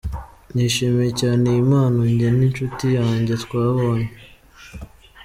Nishimiye cyane iyi mpano njye n’inshuti yanjye twabonye.